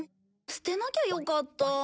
捨てなきゃよかった。